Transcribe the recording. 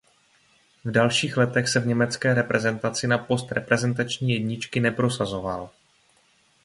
V dalších letech se v německé reprezentaci na post reprezentační jedničky neprosazoval.